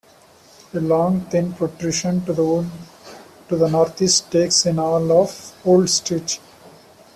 A long thin protrusion to the north east takes in all of Old Street.